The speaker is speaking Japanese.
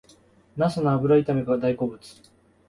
ナスの油炒めが大好物